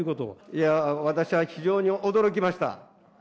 いやー、私は非常に驚きました。